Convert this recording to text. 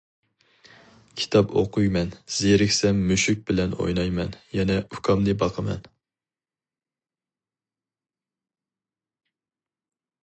كىتاب ئوقۇيمەن، زېرىكسەم مۈشۈك بىلەن ئوينايمەن، يەنە ئۇكامنى باقىمەن.